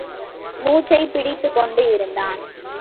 மூச்சைப் பிடித்துக்கொண்டு இருந்தான்.